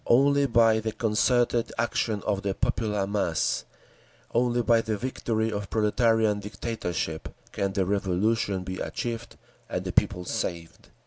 Only by the concerted action of the popular mass, only by the victory of proletarian dictatorship, can the Revolution be achieved and the people saved….